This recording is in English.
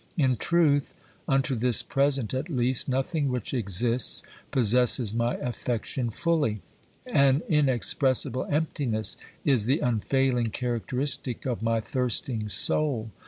In truth, unto this present at least, nothing which exists possesses my affection fully; an inexpressible emptiness is the unfailing characteristic of my thirsting soul.